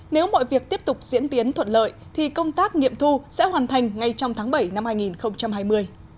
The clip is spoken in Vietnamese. nếu mọi việc tiếp tục diễn tiến thuận lợi thì công tác nghiệm thu sẽ hoàn thành ngay trong tháng bảy năm hai nghìn hai mươi